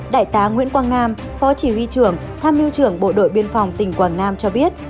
đại tá nguyễn quang nam phó chỉ huy trưởng tham mưu trưởng bộ đội biên phòng tỉnh quảng nam cho biết